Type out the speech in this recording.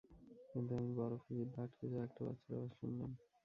কিন্তু আমি বরফে জিহ্বা আঁটকে যাওয়া একটা বাচ্চার আওয়াজ শুনলাম।